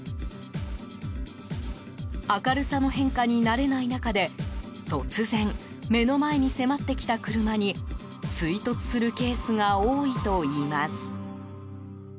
明るさの変化に慣れない中で突然、目の前に迫ってきた車に追突するケースが多いといいます。